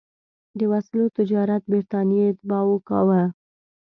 د وسلو تجارت برټانیې اتباعو کاوه.